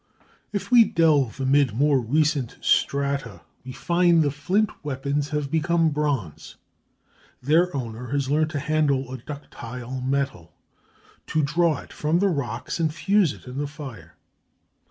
If we delve amid more recent strata, we find the flint weapons have become bronze. Their owner has learned to handle a ductile metal, to draw it from the rocks and fuse it in the fire.